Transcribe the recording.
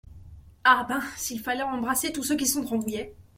Ah ! ben ! s’il fallait embrasser tous ceux qui sont de Rambouillet !…